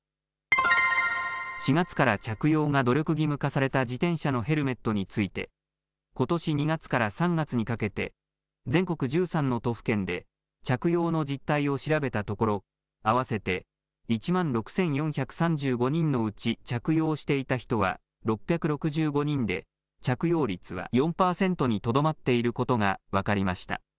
４月から着用が努力義務化された自転車のヘルメットについてことし２月から３月にかけて全国１３の都府県で着用の実態を調べたところ合わせて１万６４３５人のうち着用していた人は６６５人で着用率は４％にとどまっていることが分かりました。